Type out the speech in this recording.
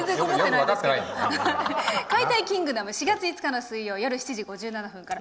「解体キングダム」４月５日の水曜夜７時５７分から。